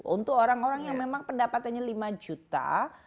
untuk orang orang yang memang pendapatannya lima juta